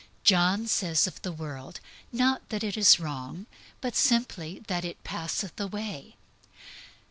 John says of the world, not that it is wrong, but simply that it "passeth away."